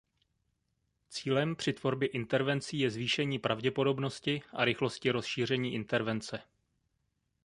Cílem při tvorbě intervencí je zvýšení pravděpodobnosti a rychlosti rozšíření intervence.